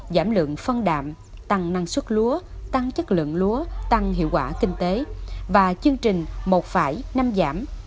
giảm lượng phân đạm tăng năng suất lúa tăng chất lượng lúa tăng hiệu quả kinh tế và chương trình một năm giảm